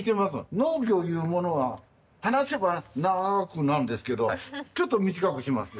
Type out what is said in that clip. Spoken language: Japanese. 農業いうものは話せば長くなるんですけどちょっと短くしますね。